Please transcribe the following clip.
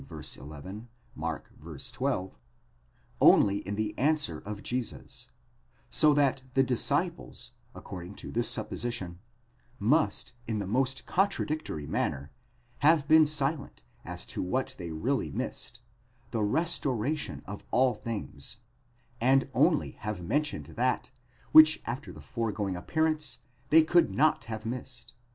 v. 11; Mark v. 12) only in the answer of Jesus: so that the disciples, according to this supposition, must, in the most contradictory manner, have been silent as to what they really missed, the restoration of all things, and only have mentioned that which after the fore going appearance they could not have missed, namely, the coming of Elias.